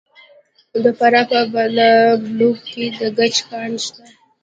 د فراه په بالابلوک کې د ګچ کان شته.